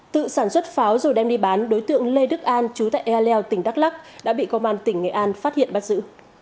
tự sản xuất pháo rồi đem đi bán đối tượng lê đức an chú tại eleo tỉnh đắk lắc đã bị công an tỉnh nghệ an phát hiện bắt giữ